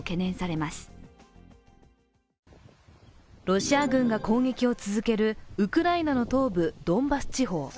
ロシア軍が攻撃を続けるウクライナの東部、ドンバス地方。